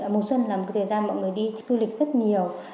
mùa xuân là một thời gian mọi người đi du lịch rất nhiều